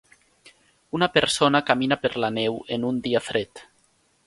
Una persona camina per la neu en un dia fred.